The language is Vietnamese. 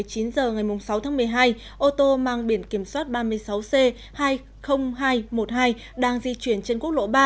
một mươi chín h ngày sáu tháng một mươi hai ô tô mang biển kiểm soát ba mươi sáu c hai mươi nghìn hai trăm một mươi hai đang di chuyển trên quốc lộ ba